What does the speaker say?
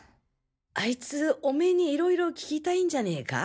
あいつオメーにいろいろ聞きたいんじゃねぇか？